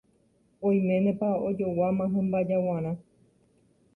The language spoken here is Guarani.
Oiménepa ojoguáma hymba jaguarã.